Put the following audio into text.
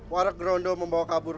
waruk gerondo membawa kabur